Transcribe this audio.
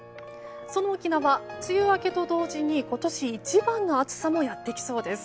その沖縄、梅雨明けと同時に今年一番の暑さもやってきそうです。